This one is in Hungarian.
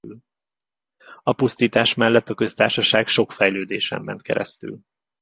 A pusztítás mellett a köztársaság sok fejlődésen ment keresztül.